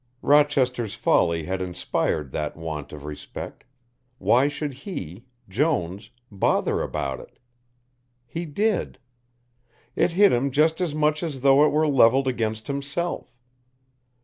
Rochester's folly had inspired that want of respect, why should he, Jones, bother about it? He did. It hit him just as much as though it were levelled against himself.